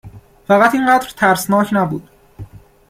فقط اینقدر ترسناک نبود